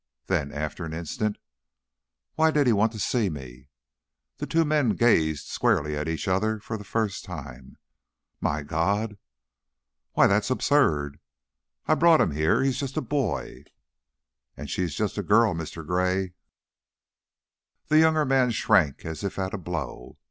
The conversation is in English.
Then, after an instant, "Why did he want to see me?" The two men gazed squarely at each other for the first time. "My God! Why that's absurd! I I brought him here. He's just a boy!" "And she's just a girl, Mr. Gray." The younger man shrank as if at a blow.